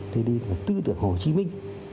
đi đi với tư tưởng hồ chí minh